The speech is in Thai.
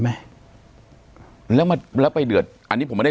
ปากกับภาคภูมิ